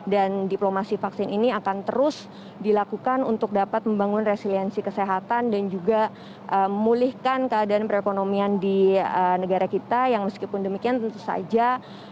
dan diplomasi vaksin ini akan terus dilakukan untuk dapat membangun resiliensi kesehatan dan juga memulihkan keadaan perekonomian di negara kita yang meskipun demikian tentu saja